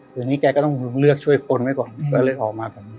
เดี๋ยวนี้แกก็ต้องเลือกช่วยคนไว้ก่อนก็เลยออกมาแบบนี้